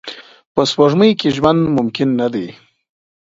په سپوږمۍ کې ژوند ممکن نه دی